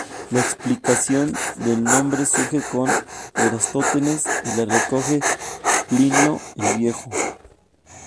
La explicación del nombre surge con Eratóstenes y la recoge Plinio el Viejo.